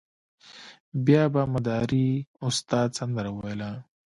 بیا به مداري استاد سندره ویله.